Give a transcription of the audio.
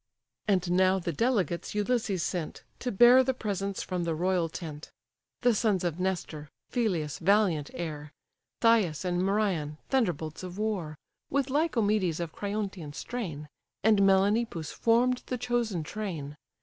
And now the delegates Ulysses sent, To bear the presents from the royal tent: The sons of Nestor, Phyleus' valiant heir, Thias and Merion, thunderbolts of war, With Lycomedes of Creiontian strain, And Melanippus, form'd the chosen train.